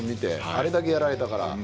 あれだけやられたから。